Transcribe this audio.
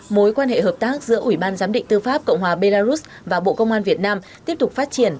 mối quan hệ hợp tác giữa ủy ban giám định tư pháp cộng hòa belarus và bộ công an việt nam tiếp tục phát triển